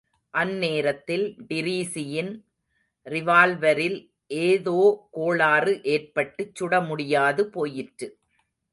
அந்நேரத்தில் டிரீஸியின் ரிவால்வரில் ஏதோகோளாறு எற்பட்டுச் சுடமுடியாது போயிற்று.